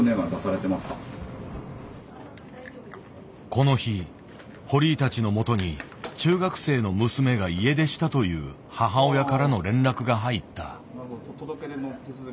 この日堀井たちのもとに「中学生の娘が家出した」という母親からの連絡が入った。